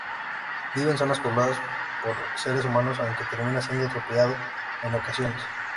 Vive en zonas pobladas por seres humanos, aunque termina siendo atropellado en ocasiones.